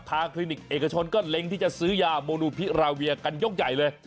คลินิกเอกชนก็เล็งที่จะซื้อยาโมนูพิราเวียกันยกใหญ่เลย